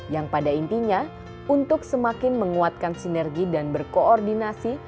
yang pada intinya untuk semakin menguatkan sinergi dan berkoordinasi